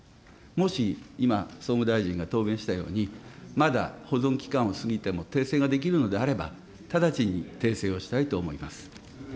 もし今、総務大臣が答弁したように、まだ保存期間を過ぎても訂正ができるのであれば、直ちに訂正をしたいと思います。